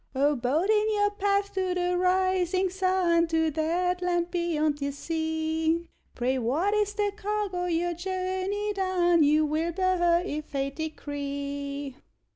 O boat in your path to the rising sun, To that land beyond the sea, Pray, what is the cargo, your journey done You will bear her, if Fate decree?